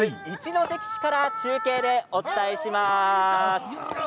一関市から中継でお伝えします。